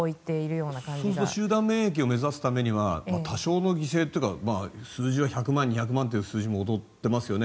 そうすると集団免疫を目指すためには多少の犠牲というか数字は１００万、２００万という数字も躍っていますよね。